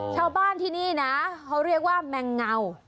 ชาวบ้านที่นี่นะเขาเรียกว่าแมงเงา